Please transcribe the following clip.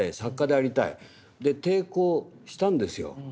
で抵抗したんですよ。